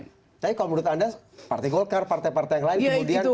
kalau menurut anda partai golkar partai partai yang lain